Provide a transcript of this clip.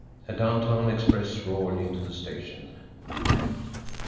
A downtown express roared into the station.